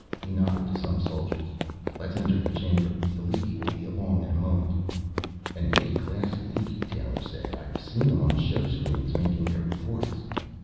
He nodded to some soldiers. "Let's enter the chamber. The leady will be along in a moment." "An A class leady," Taylor said. "I've seen them on the showscreens, making their reports."